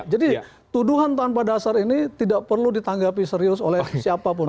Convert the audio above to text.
jadi tuduhan tuan padasar ini tidak perlu ditanggapi serius oleh siapapun